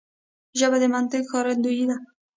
ژبه د منطق ښکارندوی ده